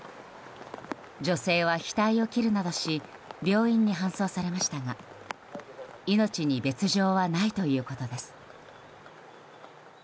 女性は額を切るなどし病院に搬送されましたが命に別条はないということです。